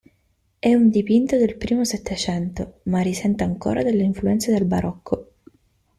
È un dipinto del primo Settecento, ma risente ancora delle influenze del Barocco.